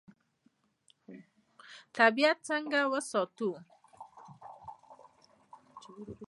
طبیعت څنګه وساتو؟